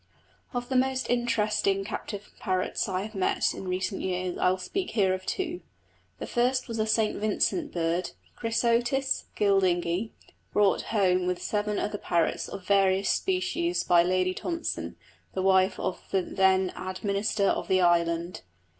Of the most interesting captive parrots I have met in recent years I will speak here of two. The first was a St Vincent bird, Chrysotis guildingi, brought home with seven other parrots of various species by Lady Thompson, the wife of the then Administrator of the Island.